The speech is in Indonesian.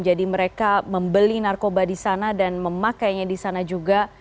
jadi mereka membeli narkoba di sana dan memakainya di sana juga